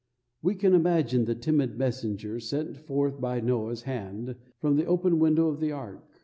We can imagine the timid messenger sent forth by Noah's hand from the open window of the ark.